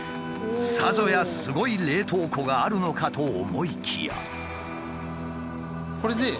さぞやすごい冷凍庫があるのかと思いきや。